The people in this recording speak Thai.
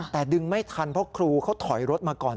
แต่ดึงไม่ทันเพราะครูเขาถอยรถมาก่อน